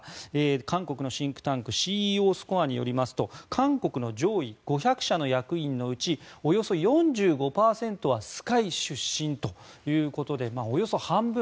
韓国のシンクタンクＣＥＯスコアによりますと韓国の上位５００社の役員のうちおよそ４５％はＳＫＹ出身ということでおよそ半分。